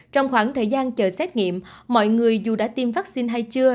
trong khoảng thời gian chờ xét nghiệm mọi người dù đã tiêm vaccine hay chưa